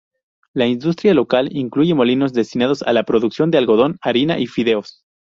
La industria local incluye molinos destinados a la producción de algodón, harina y fideos.